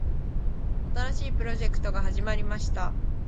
新しいプロジェクトが始まりました。